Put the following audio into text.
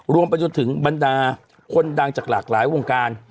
รวมประยุดถึงบรรดาคนดังจากหลากหลายวงการ